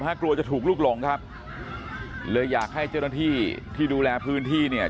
กลัวจะถูกลุกหลงครับเลยอยากให้เจ้าหน้าที่ที่ดูแลพื้นที่เนี่ย